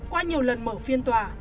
qua nhiều lần mở phiên tòa